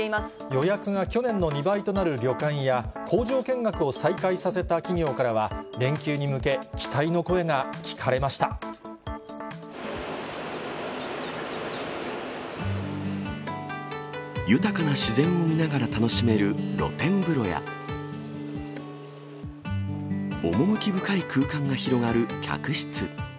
予約が去年の２倍となる旅館や、工場見学を再開させた企業からは、連休に向け、期待の声が聞かれま豊かな自然を見ながら楽しめる露天風呂や、趣深い空間が広がる客室。